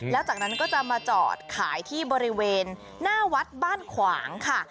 แล้วจากนั้นก็จะมาจอดขายที่บริเวณหน้าวัดบ้านขวางค่ะ